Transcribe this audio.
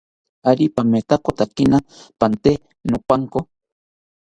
¿Ari pamitakotakina pante nopanko?